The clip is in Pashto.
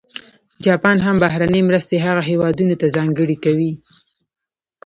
جاپان هم بهرنۍ مرستې هغه هېوادونه ته ځانګړې کوي.